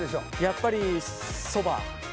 やっぱり「そば」！？